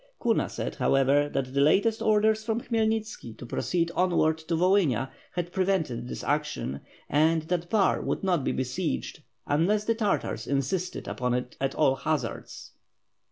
Kuna said, however, that the latest orders from Khymelnitski to proceed onward to Volhynia had prevented this action, and that Bar would not be besieged, unless the Tartars insisted upon it at all hazards.